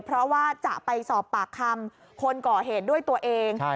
เพราะว่าจะไปสอบปากคำคนก่อเหตุด้วยตัวเอง